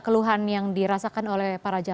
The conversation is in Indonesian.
keluhan yang dirasakan oleh para